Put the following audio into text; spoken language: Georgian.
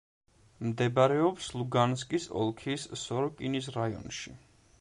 მდებარეობს ლუგანსკის ოლქის სოროკინის რაიონში.